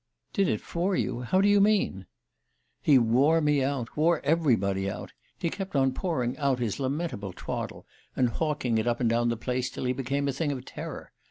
"Did it for you? How do you mean?" "He wore me out wore everybody out. He kept on pouring out his lamentable twaddle, and hawking it up and down the place till he became a thing of terror.